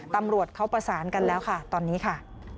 ตำรวจเขาประสานกันแล้วค่ะตอนนี้ค่ะ